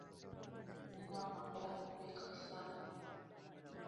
Nina magari mengi sana